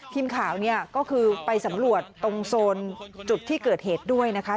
ทีมข่าวเนี่ยก็คือไปสำรวจตรงโซนจุดที่เกิดเหตุด้วยนะคะ